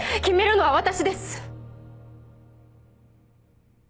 決めるのは私です！